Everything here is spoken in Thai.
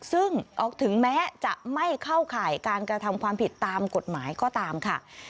ซึ่งถึงแม้จะไม่เข้าข่ายการกระทำความผิดตามกฎหมายก็ตามค่ะ